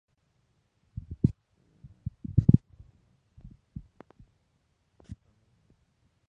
Tolera incluso agua salobre.